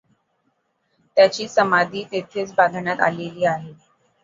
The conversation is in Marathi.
त्यांची समाधी तेथेच बांधण्यात आलेली आहे.